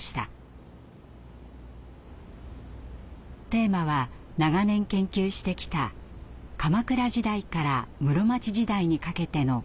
テーマは長年研究してきた鎌倉時代から室町時代にかけての「鏡」。